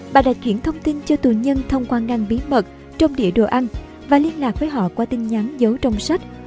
bà đã chuyển thông tin cho tù nhân thông qua ngang bí mật trong địa đồ ăn và liên lạc với họ qua tin nhắn giấu trong sách